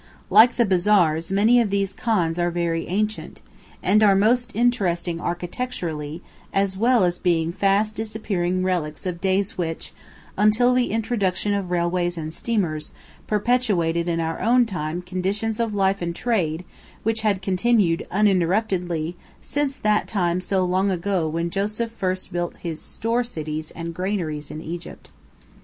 Like the bazaars, many of these khans are very ancient, and are most interesting architecturally as well as being fast disappearing relics of days which, until the introduction of railways and steamers, perpetuated in our own time conditions of life and trade which had continued uninterruptedly since that time so long ago when Joseph first built his store cities and granaries in Egypt.